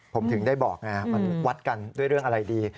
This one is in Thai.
ผมถึงได้บอกไงมันวัดกันด้วยเรื่องอะไรดี